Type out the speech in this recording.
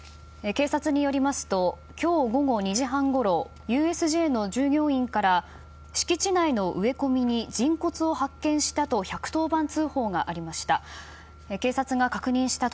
警察によりますと今日午後２時半ごろＵＳＪの従業員から敷地内の植え込みに人骨を発見したと１１０番通報がありました。